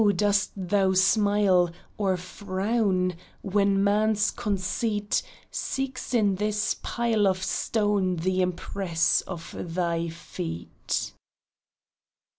dost thou smile, or frown, when man's conceit Seeks in this pile of stone the impress of thy feet